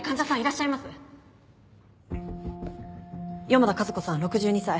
四方田和子さん６２歳。